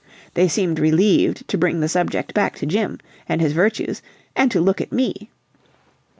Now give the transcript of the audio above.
They seemed relieved to bring the subject back to 'Jim' and his virtues and to look at me!